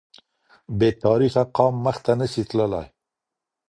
بې تاریخه قام مخته نه سي تلای